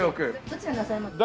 どちらになさいます？